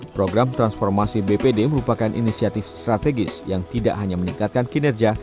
program transformasi bpd merupakan inisiatif strategis yang tidak hanya meningkatkan kinerja